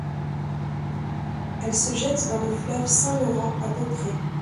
Elle se jette dans le fleuve Saint-Laurent à Beaupré.